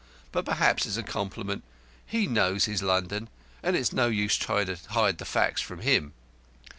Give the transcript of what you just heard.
But perhaps it's a compliment. He knows his London, and it's no use trying to hide the facts from him.